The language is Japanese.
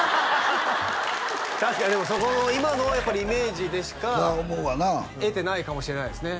確かにでもそこの今のやっぱりイメージでしか得てないかもしれないですね